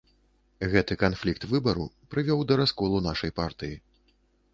Гэты канфлікт выбару прывёў да расколу нашай партыі.